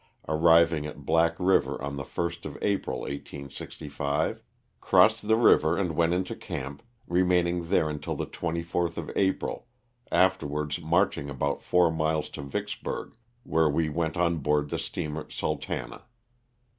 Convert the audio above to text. arriving at Black River on the 1st of April, 1865, crossed the river and went into camp, remaining there until the 24th of April, afterwards marching about four miles to Vicksburg where we went on board the steamer Sultana.